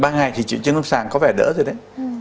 ba ngày thì triệu chứng lâm sàng có vẻ đỡ rồi đấy